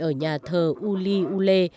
ở nhà thờ uli ule